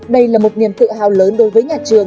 đây là một niềm tự hào lớn đối với nhà trường